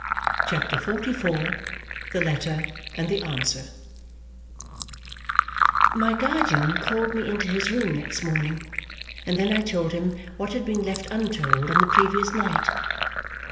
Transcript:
CHAPTER XLIV The Letter and the Answer My guardian called me into his room next morning, and then I told him what had been left untold on the previous night.